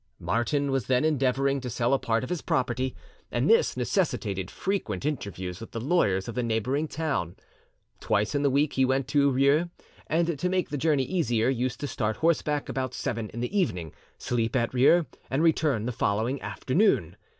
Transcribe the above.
Martin was then endeavoring to sell a part of his property, and this necessitated frequent interviews with the lawyers of the neighbouring town. Twice in the week he went to Rieux, and to make the journey easier, used to start horseback about seven in the evening, sleep at Rieux, and return the following afternoon.